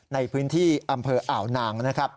ในพื้นที่อำเภออ่าวนางนะครับ